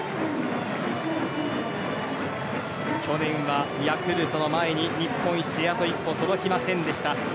去年はヤクルトの前に日本一へあと一歩届きませんでした。